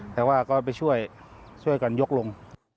แต่ว่าก็ไปช่วยกันยกลง